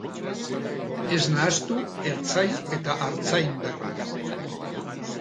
Ez nahastu ertzain eta artzain berbak.